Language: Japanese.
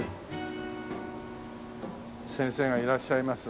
先生がいらっしゃいます。